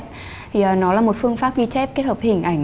thì nó là một phương pháp ghi chép kết hợp với hình ảnh